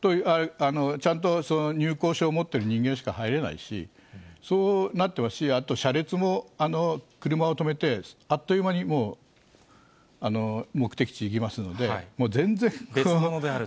ちゃんとにゅうこうしょうを持っている人間しか入れないし、そうなってますし、あと車列も車を止めてあっという間にもう目的地行きますので、別物であると。